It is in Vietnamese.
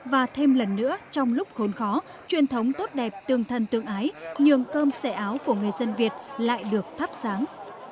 và thêm lần nữa trong lúc khốn khó truyền thống tốt đẹp tương thân tương ái nhường cơm xẻ áo của người dân việt lại được thắp sáng